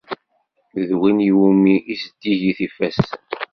D win iwumi i zeddigit yifassen.